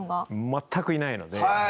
全くいないので。